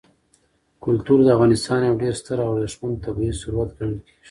کلتور د افغانستان یو ډېر ستر او ارزښتمن طبعي ثروت ګڼل کېږي.